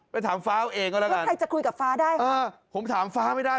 ไปถามฟ้าเอาเองก็แล้วกันเออผมถามฟ้าไม่ได้